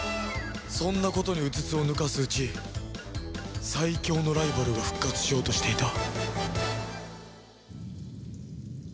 そんなことにうつつを抜かすうち最強のライバルが復活しようとしていた